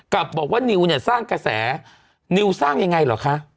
กลับบอกว่านิวเนี่ยสร้างกระแสนิวสร้างยังไงเหรอคะ